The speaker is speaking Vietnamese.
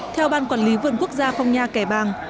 theo ban quản lý vườn quốc gia phong nha cải bang